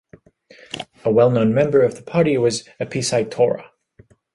A well-known member of the party was Apisai Tora.